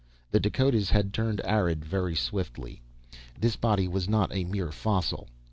The Dakotas had turned arid very swiftly. This body was not a mere fossil.